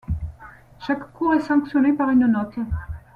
Chaque cours est sanctionné par une note.